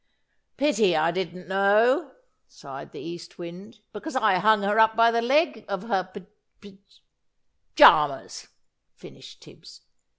"Pity I didn't know!" sighed the East Wind, "because I hung her up by the leg of her py py " "Jamas!" finished Tibbs.